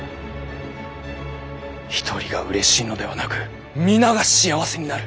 一人がうれしいのではなく皆が幸せになる。